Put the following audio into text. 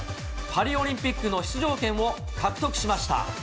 パリオリンピックの出場権を獲得しました。